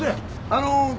あの。